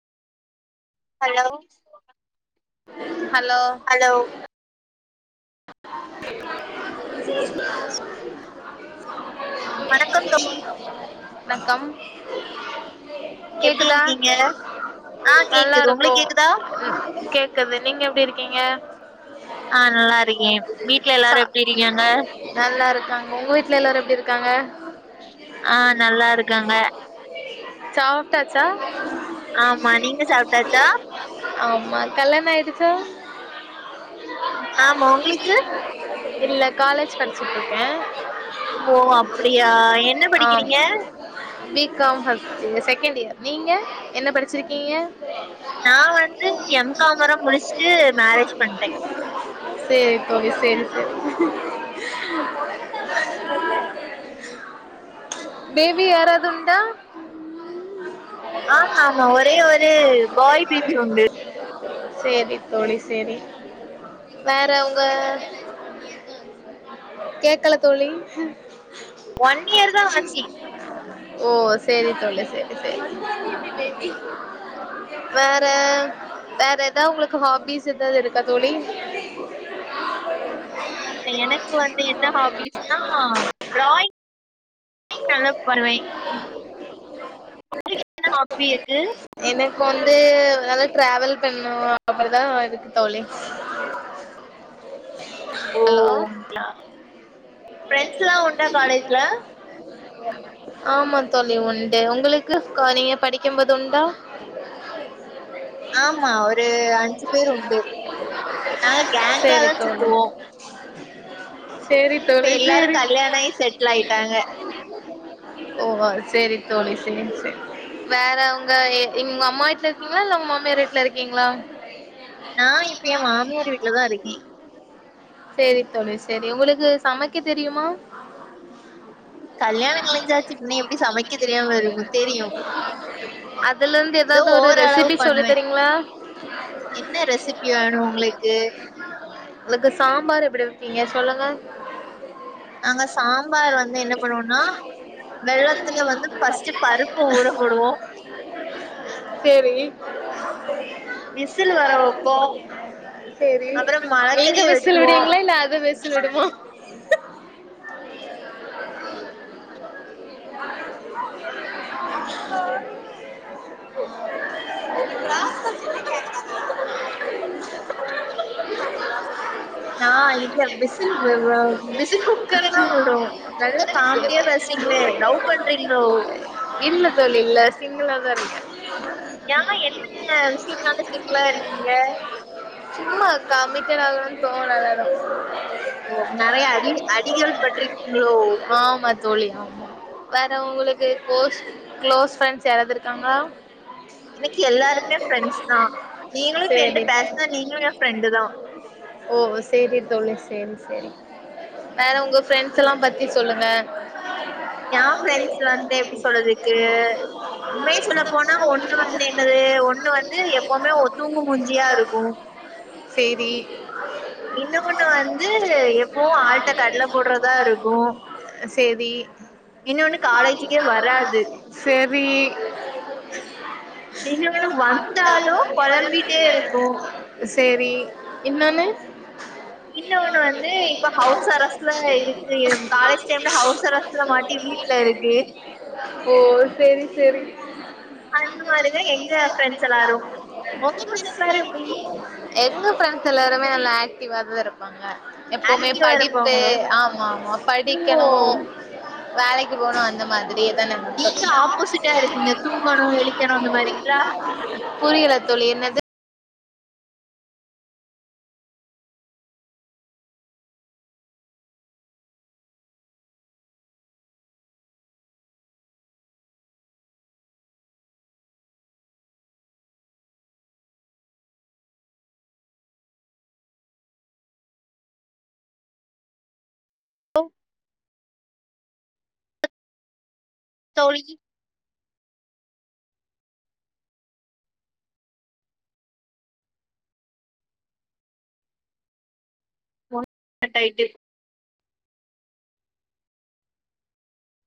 Hello hello hello [inaudible] வணக்கம் தோழி வணக்கம் எப்டி கேக்குதா இருக்கீங்க ஆ நல்லா கேக்குது இருக்கோ உங்களுக்கு கேக்குதா கேக் குது நீங்க எப்டி இருக்கீங்க ஆ நல்லா இருக்கே வீட்ல சா எல்லாரு எப்டி இருக்காங்க நல்லா இருக்காங்க உங்க வீட்டுல எல்லாரு எப்டி இருக்காங்க ஆ நல்லா இருக்காங்க சாப்ட்டாச்சா ஆமா நீங்க சாப்பிட்டாச்சா ஆமா கல்யாண ஆயிடுச்சா ஆமா உங்களுக்கு இல்ல காலேஜ் படிச்சட்டுருக்கே ஓ அப்டியா என்ன படிக்கிறீங்க B com first second year நீங்க என்ன படிச்சிருக்கீங்க நா வந்து எம் காம்லாம் முடிச்சுட்டு மேரேஜ் பண்ட்டே சேரி பவி சேரி சேரி பேபி யாராதுண்டா ஆமா ஆமா ஒரே ஒரு பாய் பேபி உண்டு செரி தோழி செரி வேற உங்க கேக்கல தோழி ஒன் இயர் தா ஆச்சு ஓ சேரி தோழி சேரி சேரி வேற வேற ஏதாவது உங்களுக்கு ஹாபிஸ் ஏதாவது இருக்கா தோழி [inaudible] ஆ எனக்கு வந்து என்ன ஹாபிஸ்னா டிராயிங் நல்லா [inaudible] உங்களுக்கு என்ன ஹாப்பி இருக்கு இப்ப வந்து நல்லா டிராவல் பண்ணு அப்டிதா இருக்கு தோழி ஓ ஹலோ ங்களா பிரெண்ட்ஸ்ல உண்டா காலேஜ்ல ஆமா தோழி உண்டு உங்களுக்கு நீங்க படிக்கும்போது உண்டா ஆமா ஒரு அஞ்சு பேரு உண்டு நாங்க கேங்கா சரி தா தோழி சுத்துவோ சரி இப்ப தோழி எல்லாரும் சரி கல்யாண ஆயி செட்ல் ஆயிட்டாங்க ஓ சரி தோழி சரி சரி வேற உங்க உங்க அம்மா வீட்ல இருக்கீங்களா இல்ல உங்க மாமியார் வீட்ல இருக்கீங்களா நான் இப்ப என் மாமியார் வீட்லதா இருக்கே சேரி தோழி சேரி உங்களுக்கு சமைக்க தெரியுமா [inaudible] கல்யாணம் கழிஞ்சாச்சு பின்ன எப்டி சமைக்க தெரியாம இருக்கும் தெரியும். அதுல இருந்து ஏதோ ஏதாவது ஒரு ஓரளவு ரெசிபி சொல்லி பண்ணுவேன். தரீங்களா என்ன ரெசிபி வேணும் உங்களுக்கு உங்களுக்கு சாம்பார் எப்படி வப்பிங்க சொல்லுங்க நாங்க சாம்பார் வந்து என்ன பண்ணுவோனா வெள்ளத்துல வந்து ஃபர்ஸ்ட்டு பருப்ப ஊறப்போடுவோ சேரி விசில் வர வைப்போம். சேரி அப்புறம் நீங்க மரக்கறிய விசில் விடுீங்களா இல்ல அது விசி ல் விடுமா உ [inaudible] நான் இ விசில் விசில் குக்கர் தான் உடு நல்லா காமெடியா பேசுரிங்களே லவ் பண்றீங்களோ இல்ல இல்ல சிங்கிளா தான் இருக்க ஏன் என்ன விஷயத்தால சிங்கிலா இருக்கீங்க சும்மா கமிட்டடூ ஆகணுனு தோணல அதா நறைய அடி அடிகள் பட்ருக்கீங்களோ ஆமா தோழி ஆ வேற உங்களுக்கு குளோஸ் குளோஸ் ஃப்ரெண்ட்ஸ் யாராவது இருக்காங்களா எனக்கு எல்லாருமே ஃப்ரெண்ட்ஸ் தா நீங்களு இப்ப என்ட்ட சேரி பேசுனா நீங்களு என் ஃப்ரெண்டு தா ஓ சேரி தோழி சேரி சேரி வேற உங்க ஃப்ரெண்ட்ஸ் எல்லா பத்தி சொல்லுங்க என் பிரரெண்ட்ஸ் வந்து எப்படி சொல்றதுக்கு உண்மய சொல்ல போனா ஒண்ணு வந்து என்னது ஒண்ணு வந்து எப்பவுமே தூங்கு மூஞ்சியா இருக்கு செய்தி இன்ன ஒன்னு வந்து எப்பவும் ஆ்ல்ட்ட கடலை போடுறதா இருக்கு தேதி இன்னொன்னு காலேஜுக்கே வராது சரி இன்னொன்னு வந்தாலும் பொழம்பிட்டே இருக்கு செரி இன்னோன்னு இன்னொ ஒண்ணு வந்து இப்ப ஹவுஸ் அரஸ்ட்ல இருக்கு காலேஜ் டைம்ல ஹவுஸ் அரஸ்ட் ல அரெஸ்ட் மாட்டி பண்ணி வீட்ல வீட்டில் இருக்கு ஓ சேரி சேரி [inaudible] அந்த மாதிரிதான் எங்க ஃப்ரெண்ட்ஸ் எல்லாரும் உங்க ஃப்ரெண்ட்ஸ் எல்லாரும் எப்படி எங்க ஃப்ரெண்ட்ஸ் எல்லாருமே நல்லா ஆக்டிவாக தான் இருப்பாங்க எப்பவுமே ஆக்டிவா படிப்பு இருப்பாங்களோ ஆமா ஆமா ஓ படிக்கணு வேலைக்கு போனும் அந்த மாதிரிதான் நீங்க ஆப்போசிட்டா இருப்பீங்க தூங்கணும் எழுக்கணும் அந்த மாதிரி இல்ல [unintelligible] புரியல தோழி என்னது தோழி [unintelligible]